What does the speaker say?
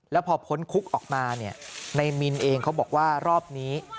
แล้วพอพ้นคุกออกมาเนี่ยในมินเองเขาบอกว่ารอบนี้